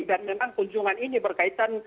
dan memang kunjungan ini berkaitan